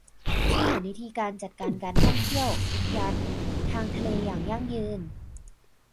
ที่เห็นวิธีการจัดการการท่องเที่ยวอุทยานทางทะเลอย่างยั่งยืน